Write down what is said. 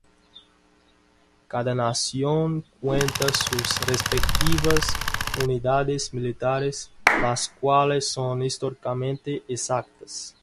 Cada nación cuenta sus respectivas unidades militares, las cuales son históricamente exactas.